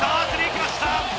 きました！